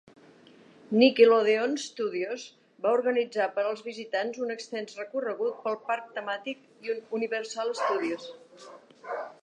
Nickelodeon Studios va organitzar per als visitants un extens recorregut pel parc temàtic Universal Studios.